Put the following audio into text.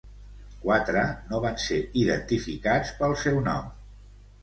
Quatre no van ser identificats pel seu nom.